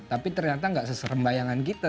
tapi ternyata nggak seserem bayangan kita